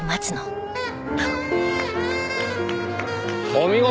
お見事！